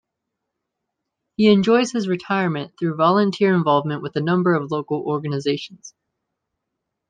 He enjoys his retirement through volunteer involvement with a number of local organizations.